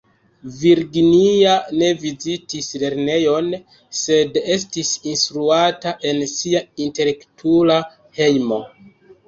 Virginia ne vizitis lernejon, sed estis instruata en sia intelektula hejmo.